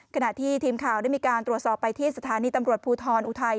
ขณะที่ทีมข่าวได้มีการตรวจสอบไปที่สถานีตำรวจภูทรอุทัย